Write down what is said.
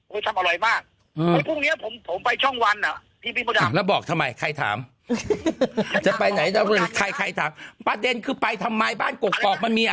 ผมจ้างวันอ่ะบอกทำไมใครถามไปไหนนะใครถามประเทศไปทำไมบ้างกดมันมี